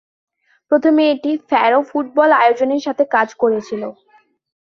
প্রথমে এটি Faroe football আয়োজনের সাথে কাজ করেছিল।